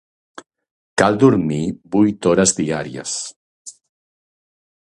Cal dormir vuit hores diàries.